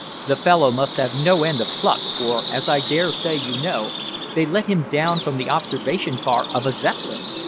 The fellow must have no end of pluck, for, as I dare say you know, they let him down from the observation car of a Zeppelin.